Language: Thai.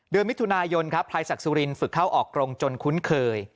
เดือนมิถุนายนครับพลายศักดิ์สุรินฝึกเข้าออกกรงจนคุ้นเคย